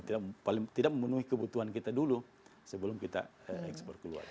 dan tidak memenuhi kebutuhan kita dulu sebelum kita ekspor keluar